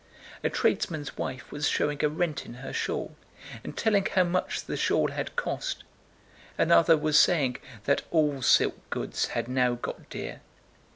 A tradesman's wife was showing a rent in her shawl and telling how much the shawl had cost; another was saying that all silk goods had now got dear.